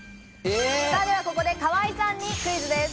ではここで河井さんにクイズです。